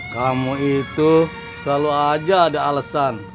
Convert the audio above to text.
kamu itu selalu aja ada alasan